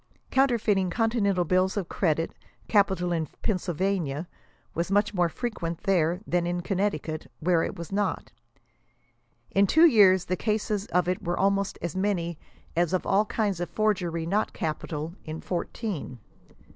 Counter feiting continental bills of credit, capital in Pennsylvania, was fnuch more frequent there than in Connecticut, where it was not. in two years the cases of it were almost as many as of all kinds of forgery not capital, in fourteen.